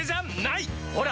ほら！